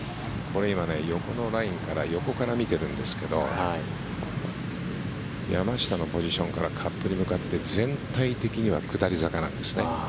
これ今、横のラインから横から見ているんですけど山下のポジションからカップに向かって全体的には下り坂なんですよね。